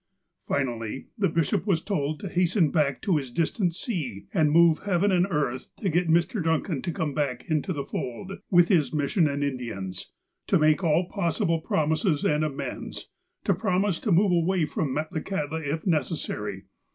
Finally, the bishop was told to hasten back to his distant See, and move heaven and earth to get Mr. Duncan to come back into the fold, with his mission aud Indians — to make all possible promises and amends, to promise to move away from Metlakahtla, if necessary.